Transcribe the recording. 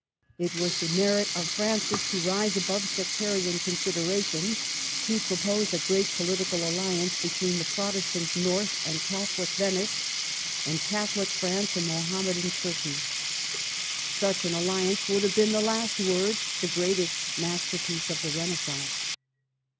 It was the merit of Francis to rise above sectarian considerations, to propose a great political aUi ance between the Protestant North, and Catho lic Venice, and Catholic France, and Mohamme dan Turkey. Such an alliance would have been the last word, the greatest masterpiece of the Renaissance.